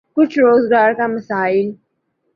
کچھ روزگار کا مسئلہ۔